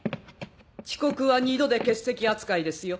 遅刻は二度で欠席扱いですよ。